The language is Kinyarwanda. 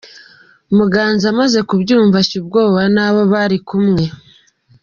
Muganza amaze kubyumva ashya ubwoba n’abo bari kumwe .